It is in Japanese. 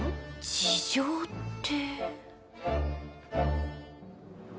事情って。